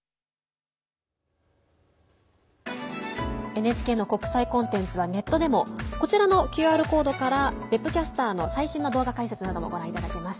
ＮＨＫの国際コンテンツはネットでもこちらのＱＲコードから別府キャスターの最新の解説などもご覧いただけます。